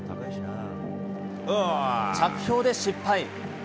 着氷で失敗。